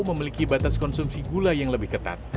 memiliki batas konsumsi gula yang lebih ketat